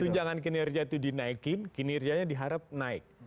tunjangan kinerja itu dinaikin kinerjanya diharap naik